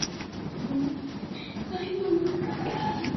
工商管理学是研究工商企业经营管理的学问。